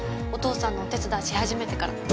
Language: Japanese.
お父さんのお手伝いし始めてから。